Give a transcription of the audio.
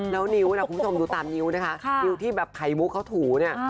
แล้วนิ้วนะคุณผู้ชมดูตามนิ้วนะคะนิ้วที่แบบไขมุกเขาถูเนี่ย